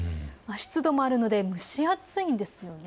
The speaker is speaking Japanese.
湿度もあるので蒸し暑いです。